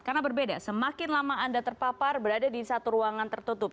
karena berbeda semakin lama anda terpapar berada di satu ruangan tertutup